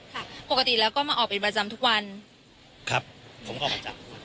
ปกติแล้วก็มาออกเป็นประจำทุกวันครับผมออกประจำทุกวัน